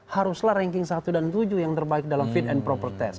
haruslah ranking satu dan tujuh yang terbaik dalam fit and proper test